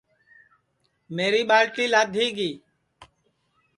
میری ٻالٹی لادھی گی